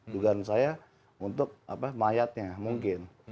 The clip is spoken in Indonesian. dugaan saya untuk mayatnya mungkin